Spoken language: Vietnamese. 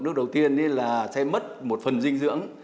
nước đầu tiên là sẽ mất một phần dinh dưỡng